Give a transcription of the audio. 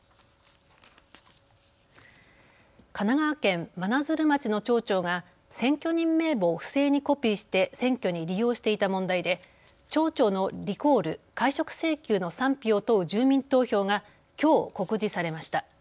神奈川県真鶴町の町長が選挙人名簿を不正にコピーして選挙に利用していた問題で町長のリコール・解職請求の賛否を問う住民投票がきょう告示されました。